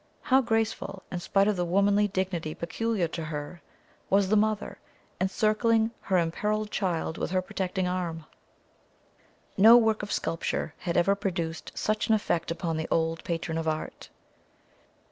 How graceful, in spite of the womanly dignity peculiar to her, was the mother, encircling her imperilled child with her protecting arm! No work of sculpture had ever produced such an effect upon the old patron of art.